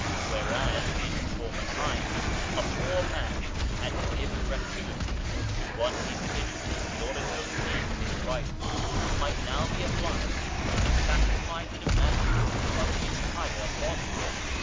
Whereas, in former times, a poor man had to give a gratuity to one individual in order to obtain his rights, he might now be obliged to satisfy the demands of the entire body.